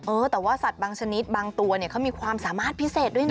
เออแต่ว่าสัตว์บางชนิดบางตัวเนี่ยเขามีความสามารถพิเศษด้วยนะ